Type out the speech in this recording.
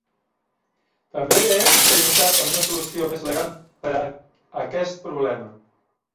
També he experimentat amb una solució més elegant per a aquest problema.